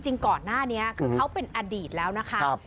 จริงก่อนหน้านี้คือเขาเป็นอดีตแล้วนะคะ